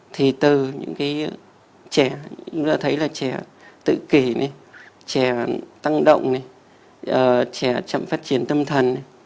thì từ những trẻ chúng ta thấy là trẻ tự kỷ trẻ tăng động trẻ chậm phát triển tâm thần